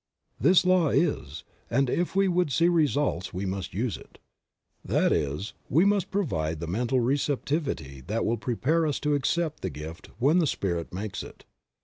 This law is, and if we would see results we must use it ; that is, we must provide the mental receptivity that will prepare us to accept the gift when the Spirit makes it.